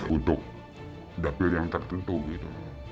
untuk dapil yang tertentu gitu